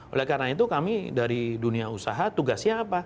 oleh karena itu kami dari dunia usaha tugasnya apa